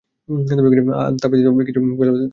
আত্মা ব্যতীত যাহা কিছু আমরা ভালবাসি, তাহারই ফল শোক ও দুঃখ।